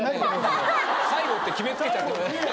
・最後って決め付けちゃって。